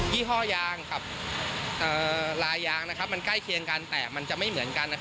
ี่ห้อยางกับลายยางมันใกล้เคียงกันแต่มันจะไม่เหมือนกัน